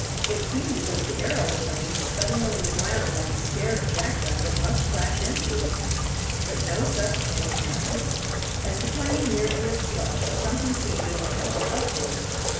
It seemed as if the aeroplane, scudding over the ground like a scared jackrabbit, must crash into it. But no such thing happened. As the 'plane neared the obstruction something seemed to impel it upward.